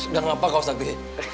sedang apa kau sakti